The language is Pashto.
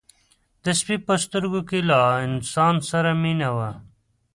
د سپي په سترګو کې له انسان سره مینه وه.